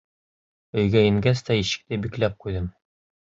Өйгә ингәс тә ишекте бикләп ҡуйҙым.